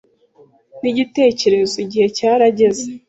Nigitekerezo igihe cyarageze.